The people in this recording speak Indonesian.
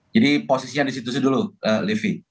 jadi posisinya disitu dulu levi